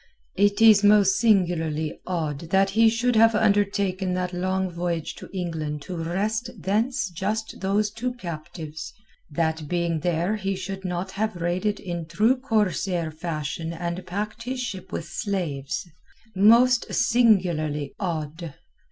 "It is most singularly odd that he should have undertaken that long voyage to England to wrest thence just those two captives; that being there he should not have raided in true corsair fashion and packed his ship with slaves. Most singularly odd!"